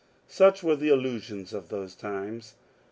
Such were the illusions of those times.